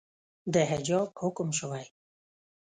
د حجاب حکم شوئ